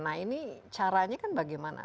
nah ini caranya kan bagaimana